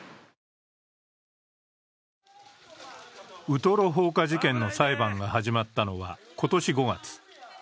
ウトロ放火事件の裁判が始まったのは今年５月。